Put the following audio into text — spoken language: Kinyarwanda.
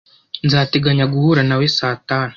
nzateganya guhura nawe saa tanu.